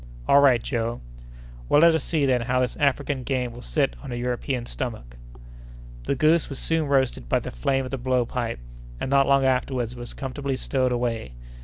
"All right, Joe!" "Well, let us see then how this African game will sit on a European stomach!" The goose was soon roasted by the flame of the blow pipe, and not long afterward was comfortably stowed away.